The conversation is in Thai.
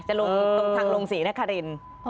ลงตรงทางลงศรีนคริน